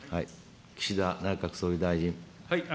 岸田内閣総理大臣。